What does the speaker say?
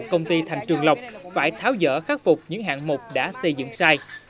công ty thành trường lộc phải tháo dỡ khắc phục những hạng mục đã xây dựng sai